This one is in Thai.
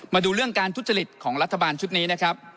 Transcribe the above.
มาดูเรื่องการทุจริตของรัฐบาลชุดนี้นะครับ